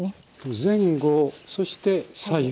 前後そして左右。